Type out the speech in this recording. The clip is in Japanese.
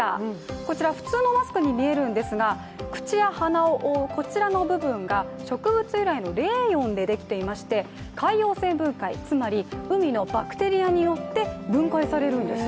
こちら、普通のマスクに見えるんですが口や鼻を覆うこちらの部分が植物由来のレーヨンでできていまして海洋生分解、つまり海のバクテリアによって分解されるんです。